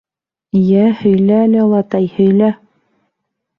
— Йә, һөйлә әле, олатай, һөйлә!